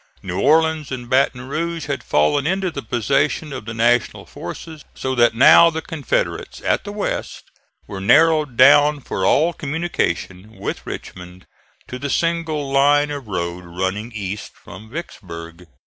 New Orleans and Baton Rouge had fallen into the possession of the National forces, so that now the Confederates at the west were narrowed down for all communication with Richmond to the single line of road running east from Vicksburg.